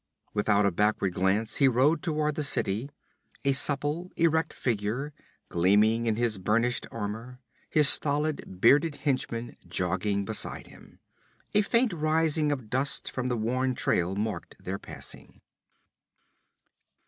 Without a backward glance he rode toward the city, a supple, erect figure, gleaming in his burnished armor, his stolid, bearded henchmen jogging beside him. A faint rising of dust from the worn trail marked their passing.